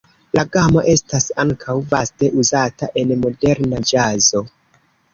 La gamo estas ankaŭ vaste uzata en moderna ĵazo.